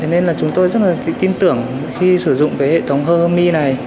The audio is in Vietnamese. nên là chúng tôi rất là tin tưởng khi sử dụng hệ thống hear me này